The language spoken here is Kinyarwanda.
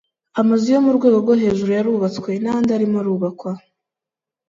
Amazu yo mu rwego rwo hejuru yarubatswe n’andi arimo arubakwa